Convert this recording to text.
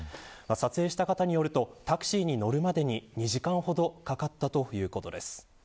撮影した方によるとタクシーに乗るまでに２時間ほどかかったということです。